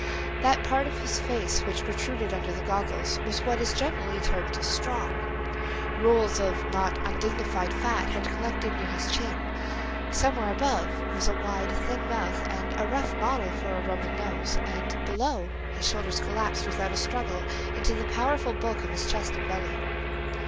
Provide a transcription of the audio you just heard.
That part of his face which protruded under the goggles was what is generally termed "strong"; rolls of not undignified fat had collected near his chin; somewhere above was a wide thin mouth and the rough model for a Roman nose, and, below, his shoulders collapsed without a struggle into the powerful bulk of his chest and belly.